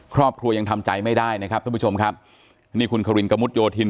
ครอบครัวยังทำใจไม่ได้นะครับท่านผู้ชมครับนี่คุณครินกระมุดโยธิน